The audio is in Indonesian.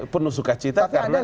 penuh sukacita karena